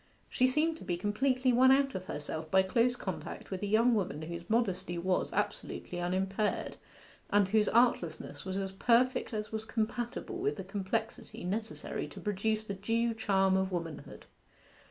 She seemed to be completely won out of herself by close contact with a young woman whose modesty was absolutely unimpaired, and whose artlessness was as perfect as was compatible with the complexity necessary to produce the due charm of womanhood.